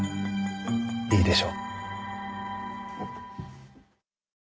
いいでしょう。